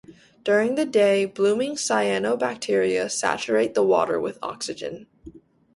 During the day blooming cyanobacteria saturate the water with oxygen.